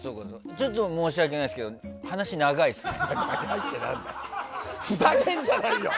ちょっと申し訳ないけど話長いっすね。